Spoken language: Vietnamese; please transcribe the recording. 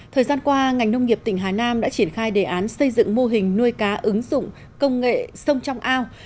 thời gian qua ngành nông nghiệp tỉnh hà nam đã triển khai đề án xây dựng mô hình nuôi cá ứng dụng công nghệ sông trong ao